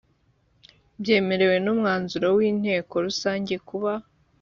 byemerewe n umwanzuro w inteko rusange kuba